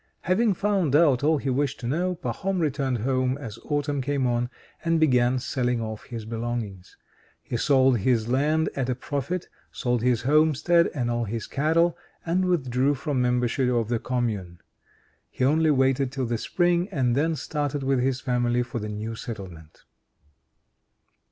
Having found out all he wished to know, Pahom returned home as autumn came on, and began selling off his belongings. He sold his land at a profit, sold his homestead and all his cattle, and withdrew from membership of the Commune. He only waited till the spring, and then started with his family for the new settlement.